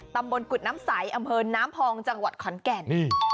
ตำบลกุฎน้ำใสอำเภอน้ำพองจังหวัดขอนแก่น